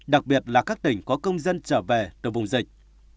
đặc biệt là các tỉnh có công dân trở về từ vùng dịch